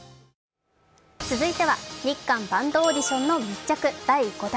続いては日韓バンドオーディションの密着第５弾。